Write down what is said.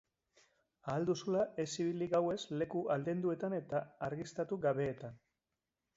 Ahal duzula ez ibili gauez leku aldenduetan eta argiztatu gabeetan.